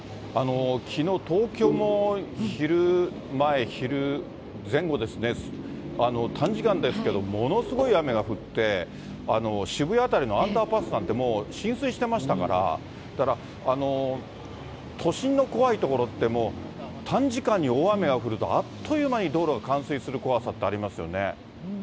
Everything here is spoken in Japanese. きのう、東京も昼前、昼前後ですね、短時間ですけど、ものすごい雨が降って、渋谷辺りのアンダーパスなんて浸水してましたから、だから、都心の怖いところって、もう短時間に大雨が降ると、あっという間に道路が冠水する怖さってありますよね。